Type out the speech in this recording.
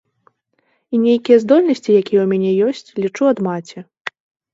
І нейкія здольнасці, якія ў мяне ёсць, лічу, ад маці.